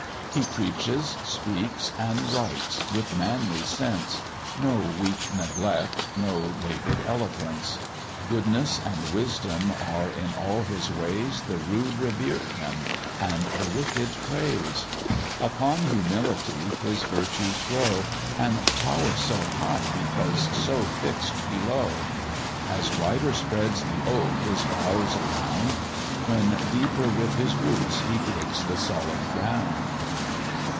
He preaches, speaks, and writes with manly sense, No weak neglect, no labour'd eloquence; Goodness and wisdom are in all his ways, The rude revere him and the wicked praise. Upon humility his virtues grow, And tower so high because so fix'd below; As wider spreads the oak his boughs around, When deeper with his roots he digs the solid ground.